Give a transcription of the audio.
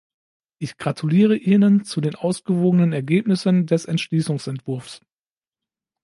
Ich gratuliere Ihnen zu den ausgewogenen Ergebnissen des Entschließungsentwurfs.